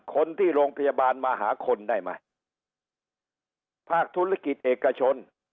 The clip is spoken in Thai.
คนที่โรงพยาบาลมหาคนได้ไหมภาคธุรกิจเอกชน